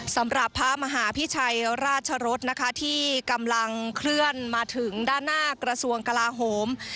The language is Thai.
สำหรับพระมหาพิชัยราชรสนะคะที่กำลังเคลื่อนมาถึงด้านหน้ากระทรวงกลาโหม